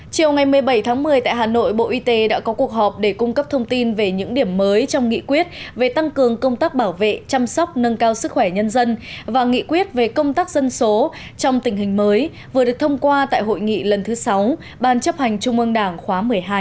chiều ngày một mươi bảy tháng một mươi tại hà nội bộ y tế đã có cuộc họp để cung cấp thông tin về những điểm mới trong nghị quyết về tăng cường công tác bảo vệ chăm sóc nâng cao sức khỏe nhân dân và nghị quyết về công tác dân số trong tình hình mới vừa được thông qua tại hội nghị lần thứ sáu ban chấp hành trung ương đảng khóa một mươi hai